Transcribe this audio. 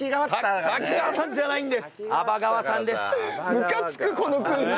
ムカつくこのクイズ。